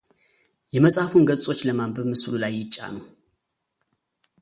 የመጽሐፉን ገጾች ለማንበብ ምስሉ ላይ ይጫኑ